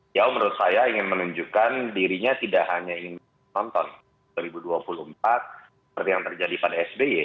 jauh menurut saya ingin menunjukkan dirinya tidak hanya ingin menonton dua ribu dua puluh empat seperti yang terjadi pada sby